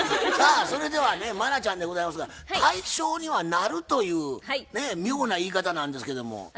さあそれではね茉奈ちゃんでございますが対象にはなるという妙な言い方なんですけども。